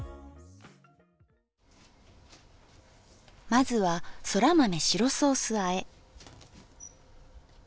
まずはそら豆白ソースあえ。